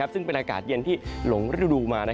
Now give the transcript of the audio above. ซึ่งเป็นอากาศเย็นที่หลงฤดูมา